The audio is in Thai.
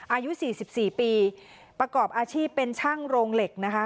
อายุ๔๔ปีประกอบอาชีพเป็นช่างโรงเหล็กนะคะ